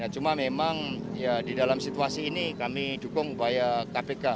cuma memang ya di dalam situasi ini kami dukung upaya kpk